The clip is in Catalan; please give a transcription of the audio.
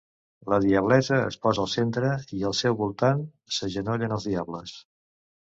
La Diablessa es posa al centre, i al seu voltant s'agenollen els diables.